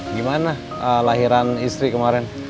gimana lahiran istri kemarin